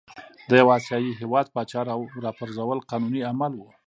د یوه آسیايي هیواد پاچا را پرزول قانوني عمل وو.